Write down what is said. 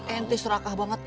ente serakah banget